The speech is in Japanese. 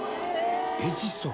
エジソン。